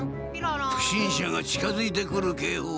不審者が近づいてくる警報音。